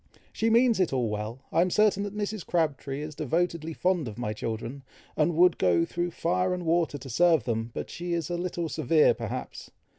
"She means it all well. I am certain that Mrs. Crabtree is devotedly fond of my children, and would go through fire and water to serve them; but she is a little severe perhaps.